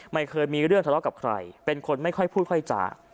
ไม่เคยมีเรื่องทะเลาะกับใครเป็นคนไม่ค่อยพูดค่อยจ่า